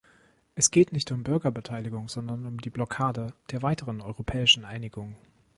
Es geht nicht um Bürgerbeteiligung, sondern um die Blockade der weiteren europäischen Einigung.